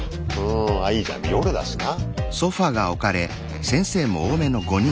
んあっいいじゃん夜だしな。